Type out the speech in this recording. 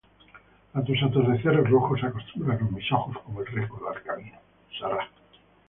A tus atardeceres rojos se acostumbraron mis ojos como el recodo al camino